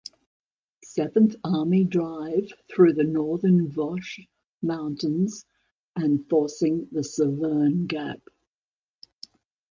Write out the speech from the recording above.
Seventh Army drive through the northern Vosges Mountains and forcing the Saverne Gap.